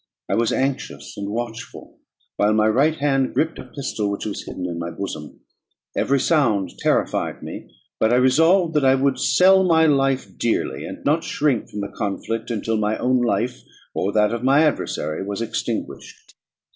I was anxious and watchful, while my right hand grasped a pistol which was hidden in my bosom; every sound terrified me; but I resolved that I would sell my life dearly, and not shrink from the conflict until my own life, or that of my adversary, was extinguished.